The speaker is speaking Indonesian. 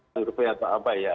survei atau apa ya